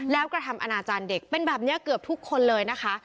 แล้วกระทำอนาจารย์เด็กเป็นแบบนี้เกือบทุกคนเลยนะคะ